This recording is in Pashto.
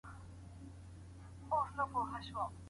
د سیاسي ډیپلوماسۍ په چوکاټ کي د وګړو حقونه نه ساتل کیږي.